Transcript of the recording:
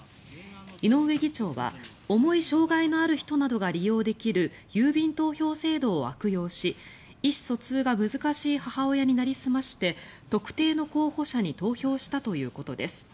井上議長は重い障害のある人などが利用できる郵便投票制度を悪用し意思疎通が難しい母親になりすまして、特定の候補者に投票したということです。